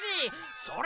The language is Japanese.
それ！